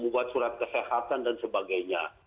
membuat surat kesehatan dan sebagainya